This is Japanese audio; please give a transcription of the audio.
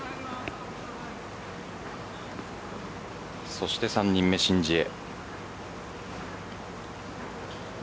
そして３人目、申ジエ。